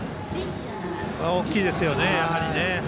これは大きいですよね。